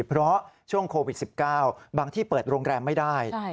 เพราะช่วงโควิด๑๙บางที่เปิดโรงแรมไม่ได้